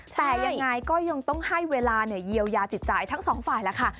แต่ยังไงก็ยังต้องให้เวลาเยียวยาจิตใจทั้งสองฝ่ายแล้วค่ะ